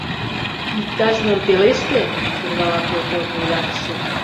— Иктаж-мом пелеште! — сӧрвала колхоз вуйлатыше.